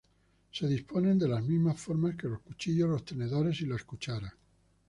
Se disponen de la misma forma que los cuchillos, los tenedores y las cucharas.